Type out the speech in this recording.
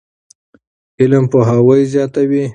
علم پوهاوی زیاتوي.